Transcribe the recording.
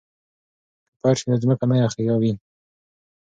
که فرش وي نو ځمکه نه یخوي.